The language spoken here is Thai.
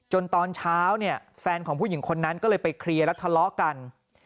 ตอนเช้าเนี่ยแฟนของผู้หญิงคนนั้นก็เลยไปเคลียร์แล้วทะเลาะกัน